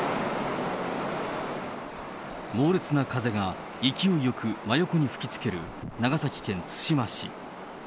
猛烈な風が勢いよく真横に吹きつける、長崎県対馬市。